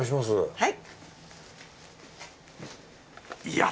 はい。